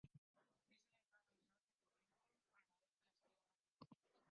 Es el hermano menor de Vincenzo Nibali, ganador de las tres Grandes Vueltas.